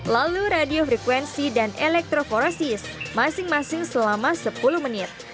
lalu radiofrekuensi dan elektroforasis masing masing selama sepuluh menit